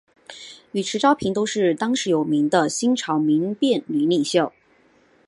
与迟昭平都是当时有名的新朝民变女领袖。